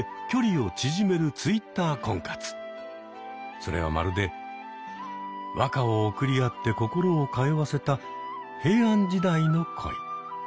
それはまるで和歌を送り合って心を通わせた平安時代の恋。